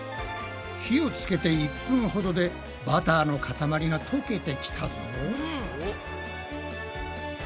火をつけて１分ほどでバターのかたまりがとけてきたぞ。